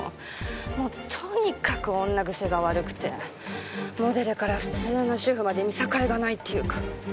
もうとにかく女癖が悪くてモデルから普通の主婦まで見境がないっていうか。